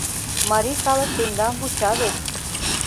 Марий калык тендам вуча вет.